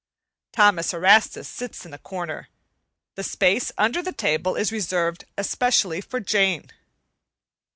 Thomas Erastus sits in a corner; the space under the table is reserved especially for Jane.